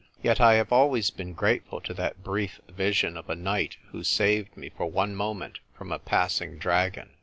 Yet I have always been grateful to that brief vision of a knight who saved me for one moment from a passing dragon.